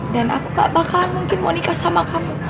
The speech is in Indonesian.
dan aku gak bakalan mungkin mau nikah sama kamu